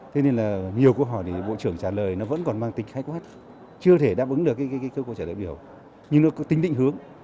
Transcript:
thế nên là nhiều câu hỏi thì bộ trưởng trả lời nó vẫn còn mang tính khách hoát chưa thể đáp ứng được cái câu câu trả lời biểu nhưng nó có tính định hướng